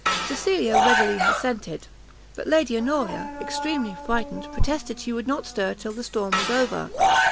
Cecilia readily assented; but Lady Honoria, extremely frightened, protested she would not stir till the storm was over.